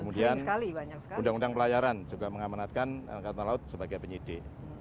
kemudian undang undang pelayaran juga mengamanatkan angkatan laut sebagai penyidik